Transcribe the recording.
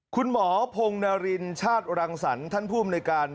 คุณหมอพงนารินชาติรังสรรค์ท่านผู้อำนวยการ